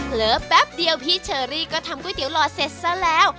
แป๊บเดียวพี่เชอรี่ก็ทำก๋วยเตี๋หล่อเสร็จซะแล้ว